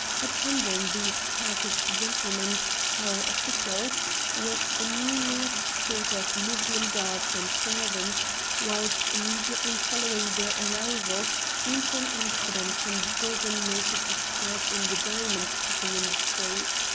"Attending these Turkish gentlemen, or officials, was a numerous suite of Moslem guards and servants, whilst, immediately following their arrival, came from Amsterdam some dozen noted experts in the diamond cutting industry.